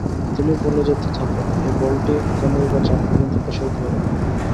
তিনি বলে যেতে থাকেন, এই বলটি কেনইবা চাঁদ পর্যন্ত প্রসারিত হবেনা।